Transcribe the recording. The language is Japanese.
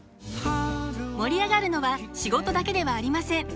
盛り上がるのは仕事だけではありません。